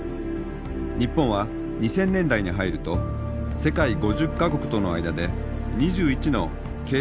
日本は２０００年代に入ると世界５０か国との間で２１の経済連携協定を締結。